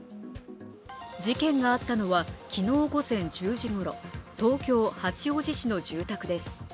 事件があったのは昨日午前１０時ごろ、東京・八王子市の住宅です。